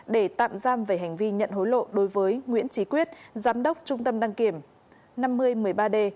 để tạm giam về hành vi nhận hối lộ đối với nguyễn trí quyết giám đốc trung tâm đăng kiểm năm mươi một mươi ba d